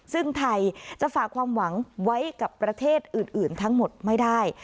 ซึ่งไทยจะฝากความหวังไว้กับประเทศอื่นทั้งหมดไม่ได้